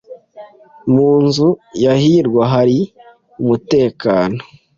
Mu nzu ya hirwa hari umutekano.